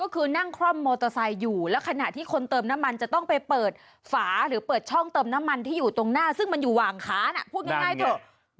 ก็คือนั่งคล่อมมอเตอร์ไซค์อยู่แล้วขณะที่คนเติมน้ำมันจะต้องไปเปิดฝาหรือเปิดช่องเติมน้ำมันที่อยู่ตรงหน้าซึ่งมันอยู่หว่างขาน่ะพูดง่ายเถอะ